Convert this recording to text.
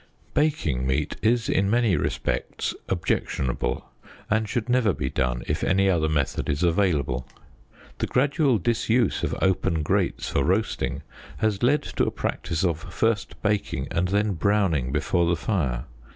Baking meat is in many respects objectionable, and should never be done if any other method is available. The gradual disuse of open grates for roasting has led to a practice of first baking and then browning before the fire.